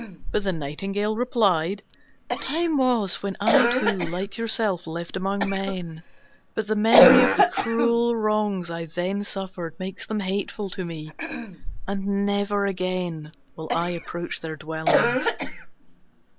But the Nightingale replied, "Time was when I too, like yourself, lived among men: but the memory of the cruel wrongs I then suffered makes them hateful to me, and never again will I approach their dwellings."